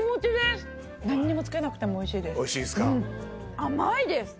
甘いです！